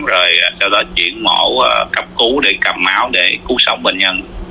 rồi sau đó chuyển mẫu cấp cứu để cầm máu để cứu sống bệnh nhân